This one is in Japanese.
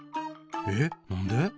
えっ？何で？